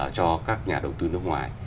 cho các nhà đầu tư nước ngoài